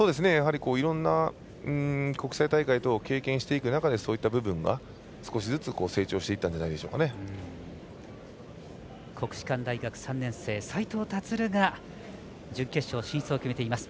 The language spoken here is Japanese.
いろんな国際大会等経験していく中でそういった部分が少しずつ成長していったんじゃ国士舘大学３年生斉藤立が準決勝進出を決めています。